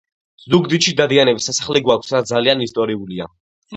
ზუგდიდში დადიანების სასახლე გვაქვს რაც ძალიან ისტორიულია